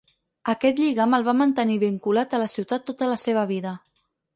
Aquest lligam el va mantenir vinculat a la ciutat tota la seva vida.